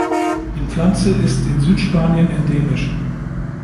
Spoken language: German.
Die Pflanze ist in Südspanien endemisch.